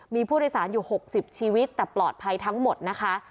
มีผู้โดยสารอยู่๖๐ชีวิตแต่ปลอดภัยทั้งหมดนะคะ